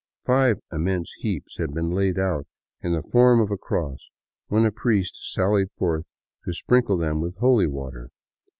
Five immense heaps had been laid out in the form of a cross when a priest sallied forth to sprinkle them with holy water.